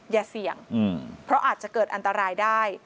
อย่าเสี่ยงเพราะอาจจะเกิดอันตรายได้